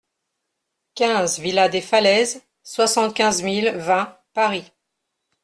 quinze villa des Falaises, soixante-quinze mille vingt Paris